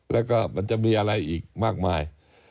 แล้วก็มันจะมีอะไรอีกมากมาย